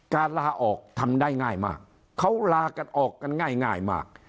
ลาออกทำได้ง่ายมากเขาลากันออกกันง่ายมาก